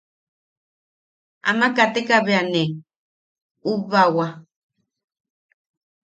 Ama kateka bea ne ubbawa.